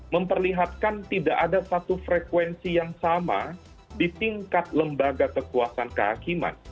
memperlihatkan tidak ada satu frekuensi yang sama di tingkat lembaga kekuasaan kehakiman